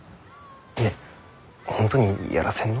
ねえ本当にやらせんの？